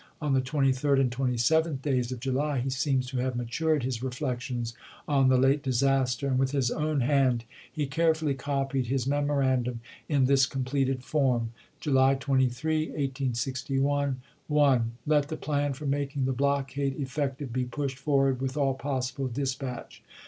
On the 23d and 27th days of July he seems to have matured his reflections on the late disaster, and with his own hand he carefully copied his memorandum in this completed form : July 23, 1861. 1. Let the plan for making the blockade effective be pushed forward with all possible dispatch.